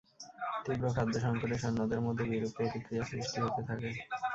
তীব্র খাদ্য-সংকটে সৈন্যদের মধ্যে বিরূপ প্রতিক্রিয়া সৃষ্টি হতে থাকে।